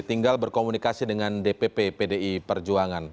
tinggal berkomunikasi dengan dpp pdi perjuangan